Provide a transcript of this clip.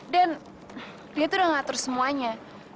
dan dia tuh udah ngatur semuanya